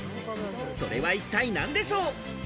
それは一体何でしょう？